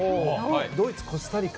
ドイツ、コスタリカ。